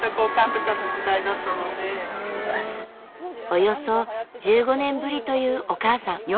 およそ１５年ぶりというお母さん。